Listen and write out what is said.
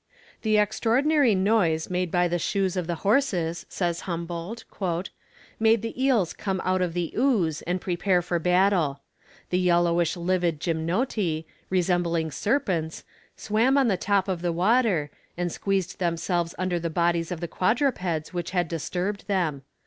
"The extraordinary noise made by the shoes of the horses," says Humboldt, "made the eels come out of the ooze and prepare for battle. The yellowish livid gymnoti, resembling serpents, swam on the top of the water, and squeezed themselves under the bodies of the quadrupeds which had disturbed them.